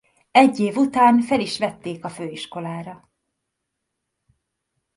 Egy év után fel is vették a főiskolára.